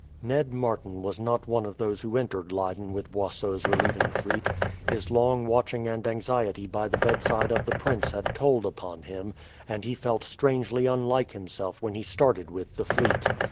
Ned Martin was not one of those who entered Leyden with Boisot's relieving fleet. His long watching and anxiety by the bedside of the prince had told upon him, and he felt strangely unlike himself when he started with the fleet.